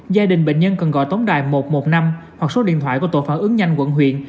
gia đình bệnh nhân cần gọi tổng đài một trăm một mươi năm hoặc số điện thoại của tổ phản ứng nhanh quận huyện